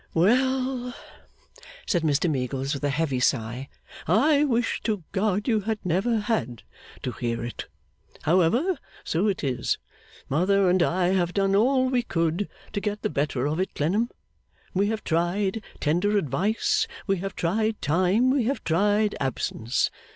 'Well!' said Mr Meagles, with a heavy sigh, 'I wish to God you had never had to hear it. However, so it is. Mother and I have done all we could to get the better of it, Clennam. We have tried tender advice, we have tried time, we have tried absence.